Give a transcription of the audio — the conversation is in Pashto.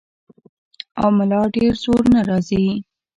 او ملا ډېر زور نۀ راځي -